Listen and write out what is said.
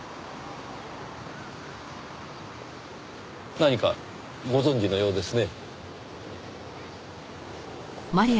何かご存じのようですね。